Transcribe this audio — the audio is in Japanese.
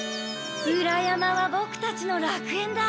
裏山はボクたちの楽園だ。